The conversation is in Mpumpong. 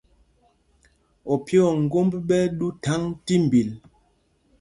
Opyē o ŋgómb ɓɛ́ ɛ́ ɗū thaŋ tí mbil.